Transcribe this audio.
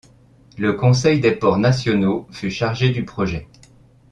Le Conseil des Ports Nationaux fut chargé du projet.